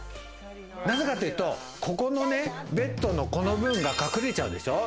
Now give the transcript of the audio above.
なぜかというとここのベッドの、この分が隠れちゃうでしょ。